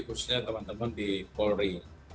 khususnya teman teman di polri